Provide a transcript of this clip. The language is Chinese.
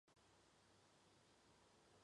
改为赞善大夫。